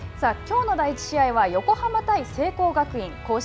きょうの第１試合は横浜対聖光学院。